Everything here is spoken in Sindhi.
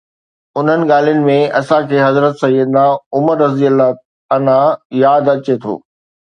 انهن ڳالهين ۾ اسان کي حضرت سيدنا عمر رضه ياد اچي ٿو.